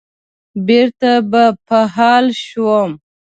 بېرته به په حال شوم.